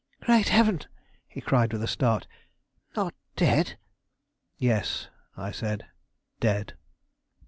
"Great heaven!" he cried with a start: "not dead?" "Yes," I said, "dead."